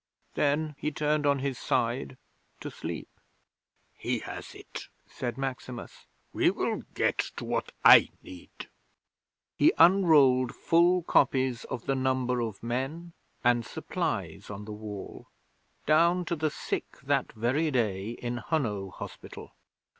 Then he turned on his side to sleep. '"He has it," said Maximus. "We will get to what I need." 'He unrolled full copies of the number of men and supplies on the Wall down to the sick that very day in Hunno Hospital.